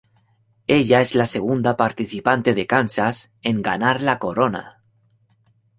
Ella es la segunda participante de Kansas en ganar la corona.